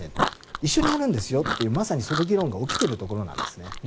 一緒にやるんですよというまさにその議論が起きているところなんです。